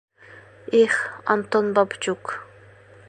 Их, Антон Бабчук...